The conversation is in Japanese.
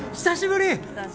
久しぶり。